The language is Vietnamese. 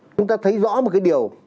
chúng ta thấy rõ một cái điều